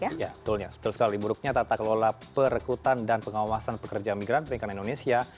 ya betulnya setelah sekali buruknya tata kelola perekrutan dan pengawasan pekerja migran perikanan indonesia